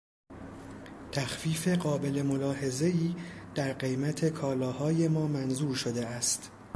تخفیف قابل ملاحظهای در قیمت کالاهای ما منظور شده است.